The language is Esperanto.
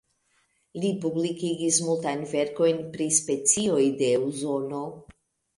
Li publikigis multajn verkojn pri specioj de Usono.